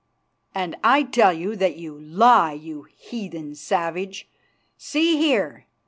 "And I tell you that you lie, you heathen savage. See here!